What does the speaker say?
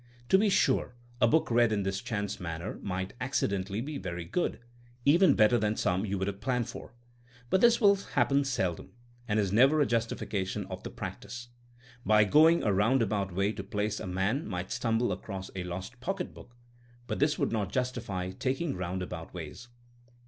To be sure, a book read in this chance manner might (accidentally) be very good — even better than some you would have planned for ; but this will happen seldom, and is never a justification of the practice. By going a round about way to a place a man might stumble across a lost pock etbook, but this would not justify taking round about ways.